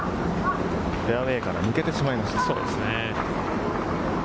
フェアウエーから抜けてしまいました。